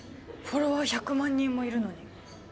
フォロワー１００万人もいるのに？